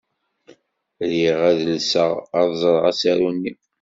Riɣ ad alseɣ ad ẓreɣ asaru-nni.